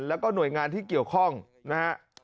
แล้วก็หน่วยงานที่เกี่ยวข้องนะฮะ